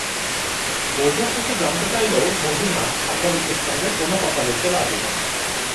বৈঠক শেষে জানতে চাইলেও মজীনা সাংবাদিকদের সঙ্গে কোনো কথা বলতে রাজি হননি।